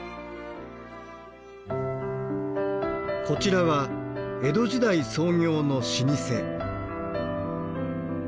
こちらは江戸時代創業の老舗。